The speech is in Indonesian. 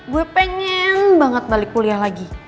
gue pengen banget balik kuliah lagi